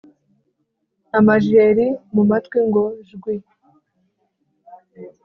Amajeri mu matwi ngo jwi